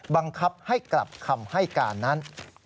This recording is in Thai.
บังคับให้กลับคำให้การนั้น